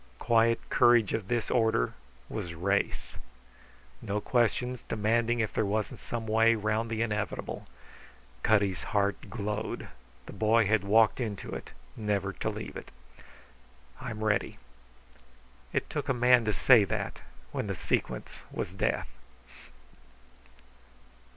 Quiet courage of this order was race. No questions demanding if there wasn't some way round the inevitable. Cutty's heart glowed; the boy had walked into it, never to leave it. "I'm ready." It took a man to say that when the sequence was death.